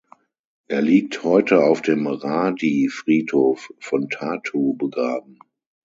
Er liegt heute auf dem Raadi-Friedhof von Tartu begraben.